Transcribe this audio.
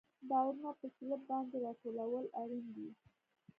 بارونه په سلب باندې راټولول اړین دي